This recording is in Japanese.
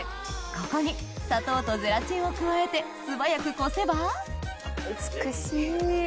ここに砂糖とゼラチンを加えて素早くこせば美しい。